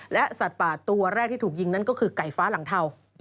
และสัตว์ป่าตัวแรกที่ถูกยิงนั้นก็คือไก่ฟ้าหลังเทา